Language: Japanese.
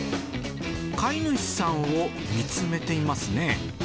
飼い主さんを見つめています